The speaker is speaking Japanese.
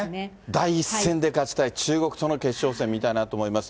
第１戦で勝ちたい、中国との決勝戦、見たいなと思います。